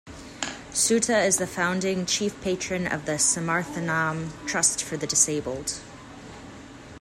Soota is the founding chief patron of the Samarthanam Trust for the Disabled.